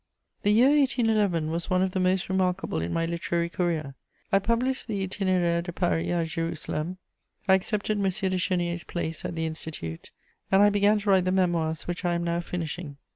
* The year 1811 was one of the most remarkable in my literary career. I published the Itinéraire de Paris à Jerusalem, I accepted M. de Chénier's place at the Institute, and I began to write the Memoirs which I am now finishing.